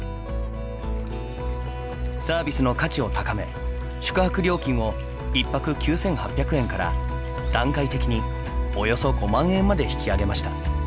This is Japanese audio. サービスの価値を高め宿泊料金を１泊９８００円から段階的に、およそ５万円まで引き上げました。